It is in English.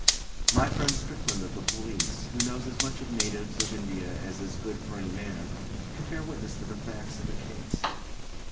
My friend Strickland of the Police, who knows as much of natives of India as is good for any man, can bear witness to the facts of the case.